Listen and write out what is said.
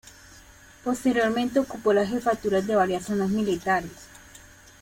Posteriormente ocupó las Jefaturas de varias zonas militares.